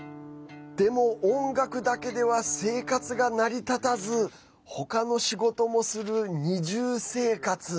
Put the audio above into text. でも、音楽だけでは生活が成り立たず他の仕事もする二重生活。